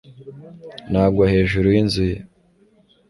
Nagwa hejuru yinzu ye